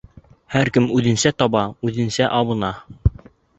Һәр кем үҙенсә таба, үҙенсә абына.